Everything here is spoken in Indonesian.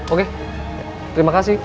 oke terima kasih